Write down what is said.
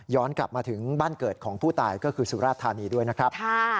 กลับมาถึงบ้านเกิดของผู้ตายก็คือสุราธานีด้วยนะครับ